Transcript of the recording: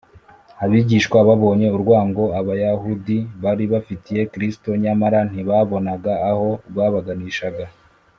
abigishwa babonye urwango abayahudi bari bafitiye kristo, nyamara ntibabonaga aho rwabaganishaga